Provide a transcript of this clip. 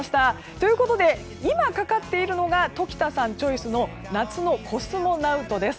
ということで今かかっているのが常田さんチョイスの「夏のコスモナウト」です。